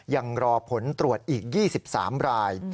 ยังรอผลตรวจอีก๒๓ราย